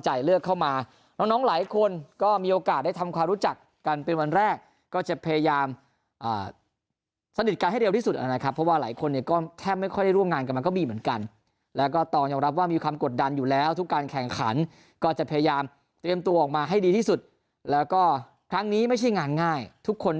เข้ามาน้องน้องหลายคนก็มีโอกาสได้ทำความรู้จักกันเป็นวันแรกก็จะพยายามสนิทกันให้เร็วที่สุดนะครับเพราะว่าหลายคนเนี่ยก็แทบไม่ค่อยได้ร่วมงานกันมันก็มีเหมือนกันแล้วก็ตอนยอมรับว่ามีความกดดันอยู่แล้วทุกการแข่งขันก็จะพยายามเตรียมตัวออกมาให้ดีที่สุดแล้วก็ครั้งนี้ไม่ใช่งานง่ายทุกคน